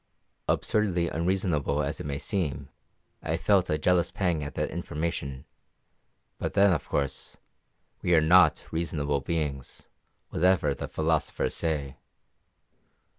Absurdly unreasonable as it may seem, I felt a jealous pang at that information; but then, of course, we are not reasonable beings, whatever the philosophers say.